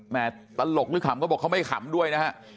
ตลกหรือขำก็บอกเขาไม่ขำด้วยนะฮะ